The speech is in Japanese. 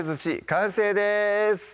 完成です